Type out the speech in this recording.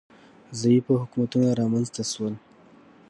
ضعیفه حکومتونه رامنځ ته شول